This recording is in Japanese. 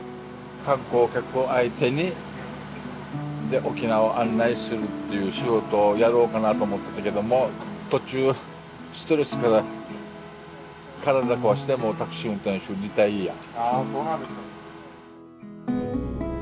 観光客を相手に沖縄案内するっていう仕事をやろうかなと思ってたけども途中ストレスから体壊してもうタクシー運転手リタイア。